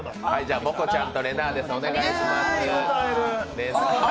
モコちゃんとれなぁです。